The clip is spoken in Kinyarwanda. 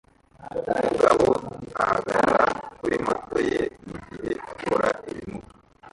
Umugabo ahagarara kuri moto ye mugihe akora ibimuga